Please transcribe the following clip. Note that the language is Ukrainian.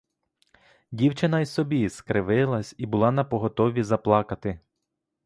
Дівчина й собі скривилась і була напоготові заплакати.